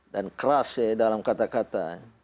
dan keras ya dalam kata kata